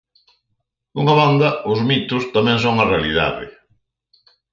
Dunha banda, os mitos tamén son a realidade.